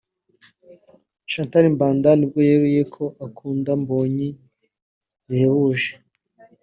Chantal Mbanda nibwo yeruye ko ‘akunda Mbonyi bihebuje’